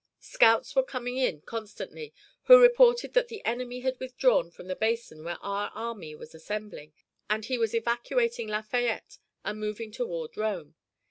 Scouts were coming in constantly, who reported that the enemy had withdrawn from the basin where our army was assembling; that he was evacuating Lafayette and moving toward Rome.